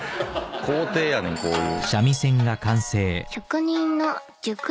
工程やねんこういう。